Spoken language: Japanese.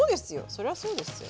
それはそうですよ。